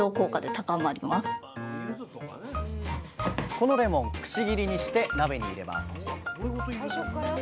このレモンくし切りにして鍋に入れます。